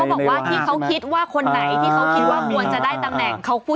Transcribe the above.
ที่เค้าคิดว่าคนไหนที่เค้าคิดว่าควรจะได้ตำแหน่ง